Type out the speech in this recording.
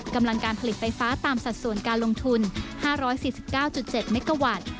กำลังการผลิตไฟฟ้าตามสัดส่วนการลงทุน๕๔๙๗เมกาวัตต์